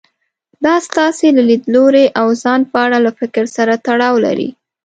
دا ستاسې له ليدلوري او ځان په اړه له فکر سره تړاو لري.